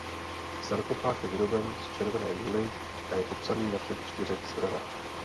Sarkofág je vyroben z červené žuly a je popsaný na všech čtyřech stranách.